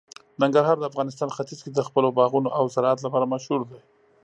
ننګرهار د افغانستان ختیځ کې د خپلو باغونو او زراعت لپاره مشهور دی.